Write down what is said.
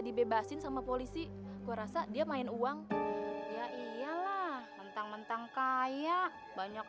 dibebasin sama polisi gue rasa dia main uang ya iyalah mentang mentang kaya banyak